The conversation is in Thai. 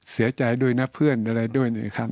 เสียใจด้วยนะเพื่อนอะไรด้วยนะครับ